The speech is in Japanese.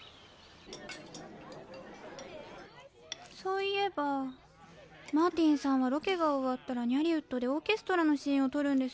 そういえばマーティンさんはロケがおわったらニャリウッドでオーケストラのシーンをとるんですよねえ？